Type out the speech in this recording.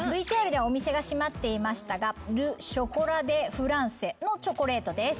ＶＴＲではお店が閉まっていましたがル・ショコラ・デ・フランセのチョコレートです。